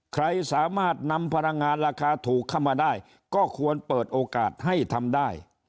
ใครสามารถนำพลังงานราคาถูกเข้ามาได้ก็ควรเปิดโอกาสให้ทำได้